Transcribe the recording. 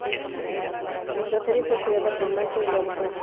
La serie fue creada por Michael Crompton.